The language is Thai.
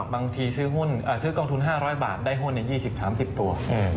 บางทีซื้อกองทุน๕๐๐บาทได้หุ้น๒๐๓๐ตัว